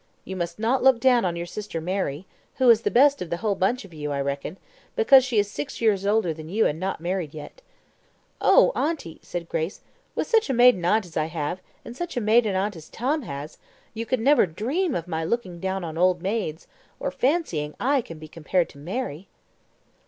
You must not look down on your sister Mary who is the best of the whole bunch of you, I reckon because she is six years older than you and not married yet." "Oh, auntie!" said Grace, "with such a maiden aunt as I have, and such a maiden aunt as Tom has, you never could dream of my looking down on old maids, or fancying I can be compared to Mary."